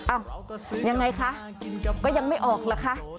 อ้าวยังไงคะก็ยังไม่ออกเหรอคะ